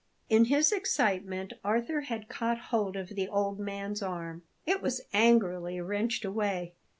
In his excitement Arthur had caught hold of the old man's arm. It was angrily wrenched away.